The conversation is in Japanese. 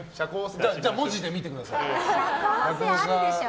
じゃあ、文字で見てください。